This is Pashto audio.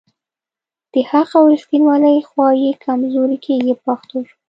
د حق او ریښتیولۍ خوا یې کمزورې کیږي په پښتو ژبه.